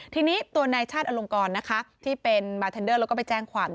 ทีนี้ตัวนายชาติอลงกรที่เป็นบาร์เทนเดอร์แล้วก็ไปแจ้งความ